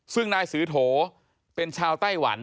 ซึ่งนายสือโถเป็นชาวไต้หวัน